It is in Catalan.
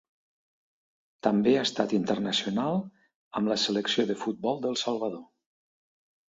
També ha estat internacional amb la selecció de futbol del Salvador.